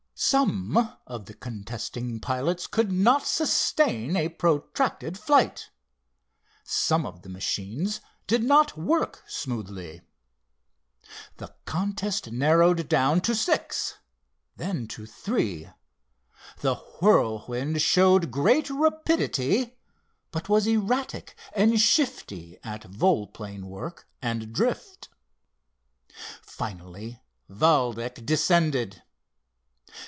Some of the contesting pilots could not sustain a protracted flight, some of the machines did not work smoothly. The contest narrowed down to six, then to three. The Whirlwind showed great rapidity, but was erratic and shifty at volplane work and drift. Finally Valdec descended.